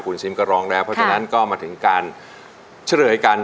คุณซิมก็ร้องแล้วเพราะฉะนั้นก็มาถึงการเฉลยกัน